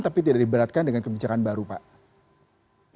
tapi tidak diberatkan dengan kebijakan baru pak